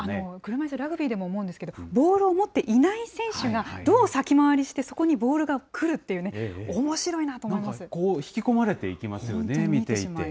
車いすラグビーでも思うんですけど、ボールを持っていない選手がどう先回りしてそこにボールが来るっこう、引き込まれていきますよね、見ていて。